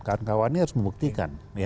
kawan kawannya harus membuktikan